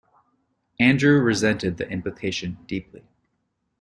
Andrew resented the implication deeply.